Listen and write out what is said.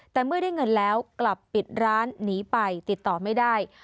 แต่เมื่อได้เงินแล้วกลับปิดร้านหนีไปติดต่อไม่ได้